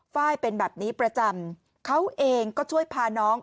ไฟล์เป็นแบบนี้ประจำเขาเองก็ช่วยพาน้อง